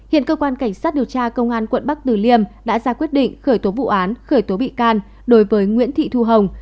hiện cơ quan cảnh sát điều tra công an quận bắc tử liêm đã ra quyết định khởi tố vụ án khởi tố bị can đối với nguyễn thị thu hồng